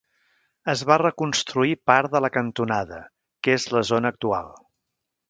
Es va reconstruir part de la cantonada, que és la zona actual.